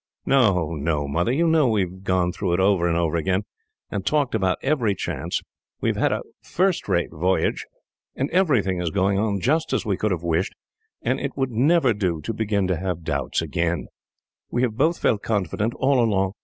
"No, no, Mother, you know we have gone through it over and over again, and talked about every chance. We have had a first rate voyage, and everything is going on just as we could have wished, and it would never do to begin to have doubts now. We have both felt confident, all along.